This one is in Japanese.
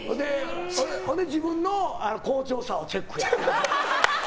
ほんで自分の好調さをチェックや。